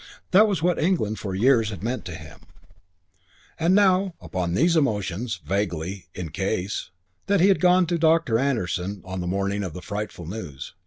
That was what England for years had meant to him. And now.... It was upon these emotions, vaguely, "in case", that he had gone to Doctor Anderson on the morning of the frightful news.